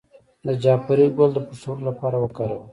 د جعفری ګل د پښتورګو لپاره وکاروئ